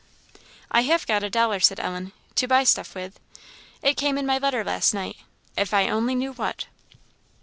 "I have got a dollar," said Ellen, "to buy stuff with; it came in my letter last night. If I only knew what!"